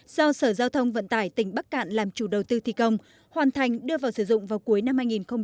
do sở giao thông vận tải tỉnh bắc cạn làm chủ đầu tư thi công hoàn thành đưa vào sử dụng vào cuối năm hai nghìn một mươi chín